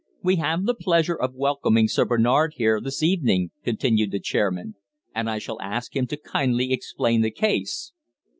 "We have the pleasure of welcoming Sir Bernard here this evening," continued the chairman; "and I shall ask him to kindly explain the case."